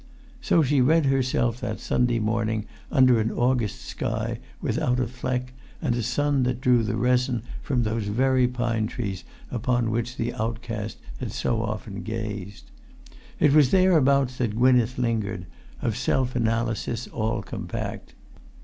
So she read herself that Sunday morning, under an August sky without a fleck and a sun that drew the resin from those very pine trees upon which the outcast had so often gazed. It was thereabouts that Gwynneth lingered, of self analysis all compact.